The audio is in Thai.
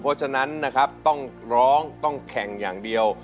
เพราะฉะนั้นนะครับต้องร้องต้องแข่งอย่างเดียว